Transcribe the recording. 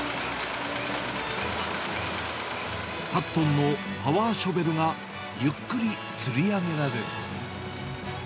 ８トンのパワーショベルがゆっくりつり上げられる。